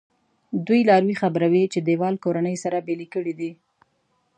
دوی لاروی خبروي چې دیوال کورنۍ سره بېلې کړي دي.